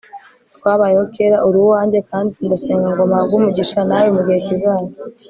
twabayeho kera, uri uwanjye, kandi ndasenga ngo mpabwe umugisha nawe mugihe kizaza